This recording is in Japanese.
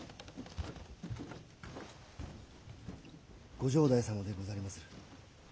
ご城代様でござりまする。